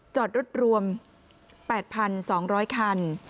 จอดรถรวม๘๒๐๐คัน